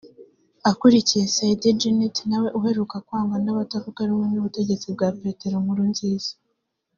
akurikiye Said Djinnit na we uheruka kwangwa n’abatavuga rumwe n’ubutegetsi bwa Petero Nkurunziza